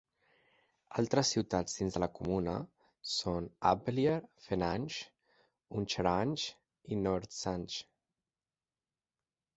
Altres ciutats dins de la comuna són Abweiler, Fennange, Huncherange i Noertzange.